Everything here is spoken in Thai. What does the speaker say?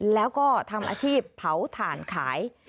แล้วก็ทำอาชีพเผาถ่านขาย